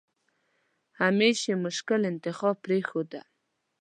همېش یې مشکل انتخاب پرېښوده.